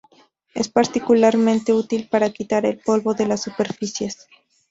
Es particularmente útil para quitar el polvo de las superficies.